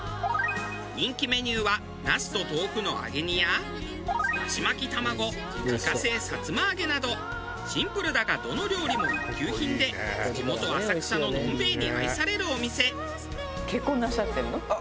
人気メニューは茄子と豆腐の揚げ煮や出汁巻き玉子自家製さつま揚げなどシンプルだがどの料理も一級品で地元浅草ののんべえに愛されるお店。